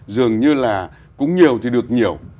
dường như là cúng nhiều thì được nhiều